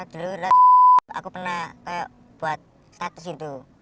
dulu aku pernah buat status itu